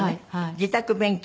自宅勉強。